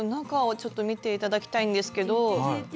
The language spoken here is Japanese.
中をちょっと見ていただきたいんですけど。